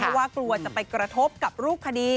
เพราะว่ากลัวจะไปกระทบกับรูปคดี